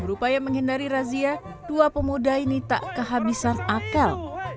berupaya menghindari razia dua pemuda ini tak kehabisan akal